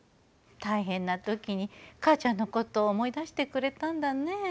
大変なときに母ちゃんのことを思い出してくれたんだね。